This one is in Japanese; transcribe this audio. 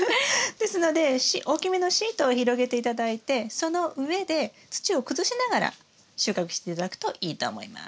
ですので大きめのシートを広げて頂いてその上で土を崩しながら収穫して頂くといいと思います。